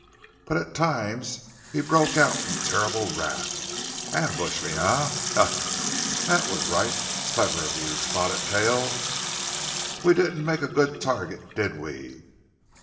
But at times he broke out in terrible wrath. "Ambush me, eh? Ha, ha! That was right clever of you, Spotted Tail—we didn't make a good target, did we?